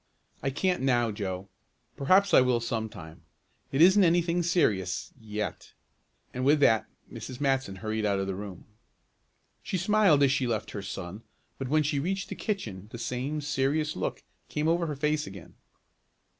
"I can't now, Joe. Perhaps I will some time. It isn't anything serious yet," and with that Mrs. Matson hurried out of the room. She smiled as she left her son, but when she reached the kitchen the same serious look came over her face again.